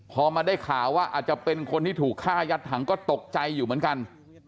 พอมาได้ข่าวว่าอาจจะเป็นคนที่ถูกฆ่ายัดถังก็ตกใจอยู่เหมือนกัน